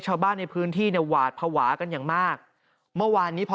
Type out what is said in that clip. ชาวบ้านในพื้นที่เนี่ยหวาดภาวะกันอย่างมากเมื่อวานนี้พอ